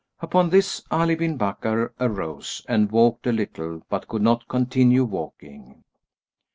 Upon this Ali bin Bakkar arose and walked a little but could not continue walking.